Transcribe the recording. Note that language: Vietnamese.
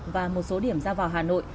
và một số điểm giao vào hà nội